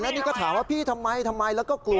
นี่ก็ถามว่าพี่ทำไมทำไมแล้วก็กลัว